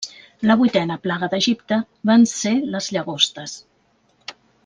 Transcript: La vuitena plaga d'Egipte van ser les llagostes.